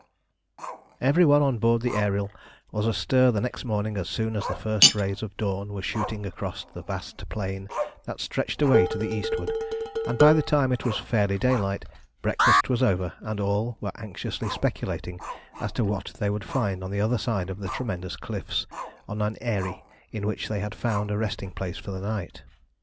Every one on board the Ariel was astir the next morning as soon as the first rays of dawn were shooting across the vast plain that stretched away to the eastward, and by the time it was fairly daylight breakfast was over and all were anxiously speculating as to what they would find on the other side of the tremendous cliffs, on an eyrie in which they had found a resting place for the night.